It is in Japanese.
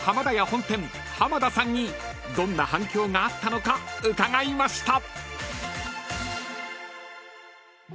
本店濱田さんにどんな反響があったのか伺いました］